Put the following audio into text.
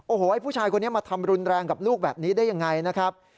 โอ้โหไอ้ผู้ชายคนนี้มาทำรุนแรงกับลูกแบบนี้ได้ยังไงนะครับ